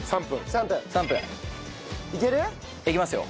いけますよ。